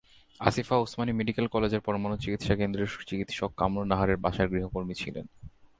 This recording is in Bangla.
আসিফা ওসমানী মেডিকেল কলেজের পরমাণু চিকিৎসা কেন্দ্রের চিকিৎসক কামরুন্নাহারের বাসার গৃহকর্মী ছিলেন।